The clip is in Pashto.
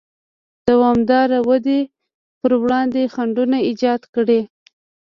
دوامداره ودې پر وړاندې خنډونه ایجاد کړي.